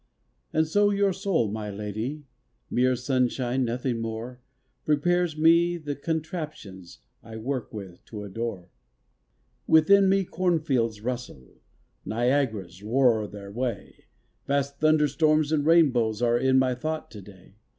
And so your soul, my lady (Mere sunshine, nothing more) Prepares me the contraptions I work with or adore. Within me cornfields rustle, Niagaras roar their way, Vast thunderstorms and rainbows Are in my thought to day.